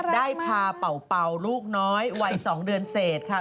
ได้พาเป่าลูกน้อยวัย๒เดือนเศษค่ะ